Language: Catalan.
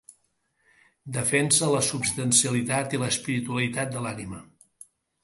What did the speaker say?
Defensa la substancialitat i l'espiritualitat de l'ànima.